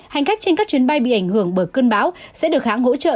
hành khách trên các chuyến bay bị ảnh hưởng bởi cơn bão sẽ được hãng hỗ trợ